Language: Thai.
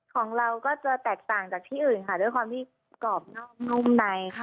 ของเราก็จะแตกต่างจากที่อื่นค่ะด้วยความที่กรอบนอกนุ่มในค่ะ